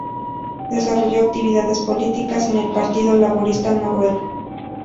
Desarrolló actividades políticas en el Partido Laborista Noruego.